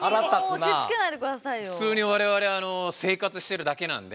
普通に我々生活してるだけなんで。